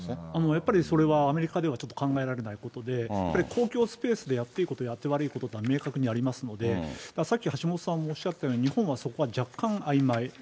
やっぱりそれはアメリカではちょっと考えられないことで、公共スペースでやっていいこと、やって悪いことが明確にありますので、さっき橋下さんもおっしゃったように、日本はそこは若干あいまい。